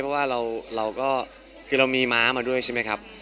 เพราะว่าเรามีม้ามาด้วยใช่ไหมครับ